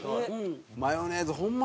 マヨネーズホンマ